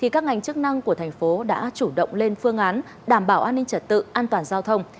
chủ động lên phương án đảm bảo an ninh trật tự an toàn giao thông